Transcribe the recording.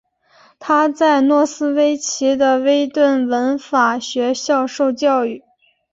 他在诺斯威奇的威顿文法学校受教育。